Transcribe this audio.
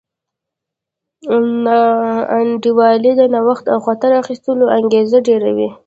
ناانډولي د نوښت او خطر اخیستلو انګېزه ډېروي.